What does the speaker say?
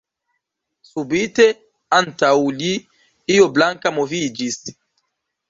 Subite antaŭ li io blanka moviĝis.